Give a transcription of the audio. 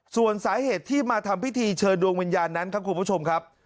ส่วนสาเหตุที่มาทำพิธีเชิญดวงวิญญาณนั้นครับคุณผู้ชมครับ